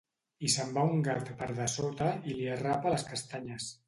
I se’n va un gat per dessota i li arrapa les castanyes.